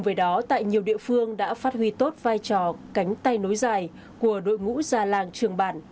với đó tại nhiều địa phương đã phát huy tốt vai trò cánh tay nối dài của đội ngũ già làng trường bản